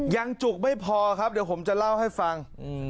จุกไม่พอครับเดี๋ยวผมจะเล่าให้ฟัง